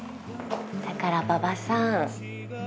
だから馬場さん。